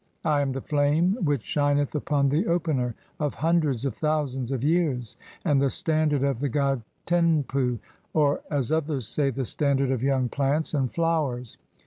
I am the flame which shineth upon the Opener (?) "of hundreds of thousands of years, and the standard of the "god Tenpu," or (as others say), "the standard of young plants "and flowers.